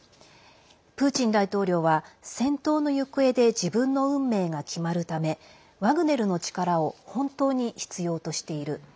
プーチン大統領は戦闘の行方で自分の運命が決まるためワグネルの力を本当に必要としている。